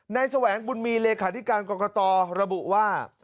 แสวงบุญมีเลขาธิการกรกตระบุว่า